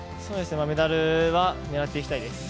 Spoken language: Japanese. メダルは狙っていきたいです。